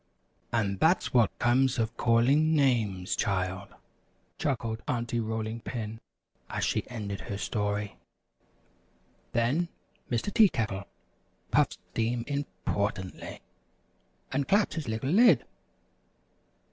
"And that's what comes of calling names, child," chuckled Aunty Rolling Pin, as she ended her story. Then Mr. Tea Kettle puffed steam importantly, and clapped his little lid.